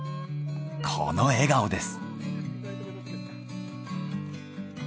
この笑顔です。